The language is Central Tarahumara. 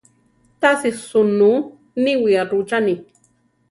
Tási sunú niwía rucháni.